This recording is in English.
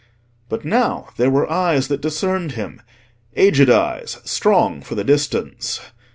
But now there were eyes that discerned him—aged eyes, strong for the distance.